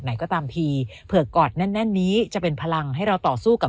ไหนก็ตามทีเผื่อกอดแน่นแน่นนี้จะเป็นพลังให้เราต่อสู้กับ